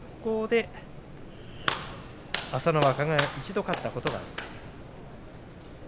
朝乃若が速攻で一度勝ったことがあります。